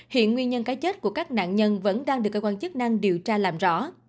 hiện nguyên nhân cái chết của các nạn nhân vẫn đang được cơ quan chức năng điều tra làm rõ